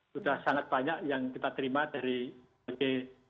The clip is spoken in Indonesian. sudah sangat banyak yang kita terima dari